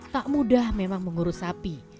tak mudah memang mengurus sapi